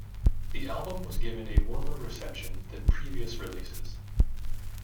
The album was given a warmer reception than previous releases.